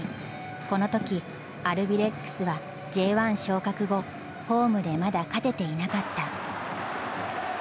このとき、アルビレックスはＪ１昇格後、ホームでまだ勝てていなかった。